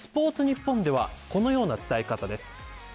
ニッポンではこのような伝え方です。